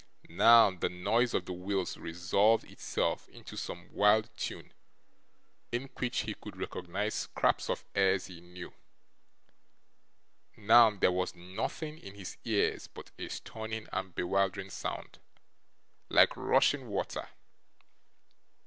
Now, the noise of the wheels resolved itself into some wild tune in which he could recognise scraps of airs he knew; now, there was nothing in his ears but a stunning and bewildering sound, like rushing water.